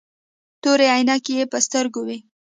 تورې عينکې يې په سترګو وې.